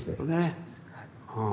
そうですね。